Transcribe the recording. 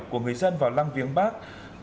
của người dân vào lăng viếng bắc